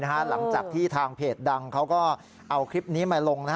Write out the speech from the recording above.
หลังจากที่ทางเพจดังเขาก็เอาคลิปนี้มาลง